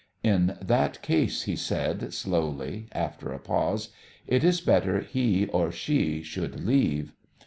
"In that case," he said slowly after a pause, "it is better he or she should leave."